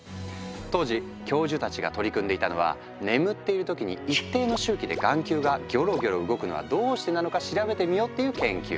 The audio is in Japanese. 当時教授たちが取り組んでいたのは「眠っているときに一定の周期で眼球がギョロギョロ動くのはどうしてなのか調べてみよう」っていう研究。